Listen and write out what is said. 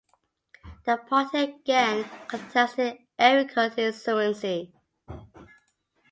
The Party again contested every constituency.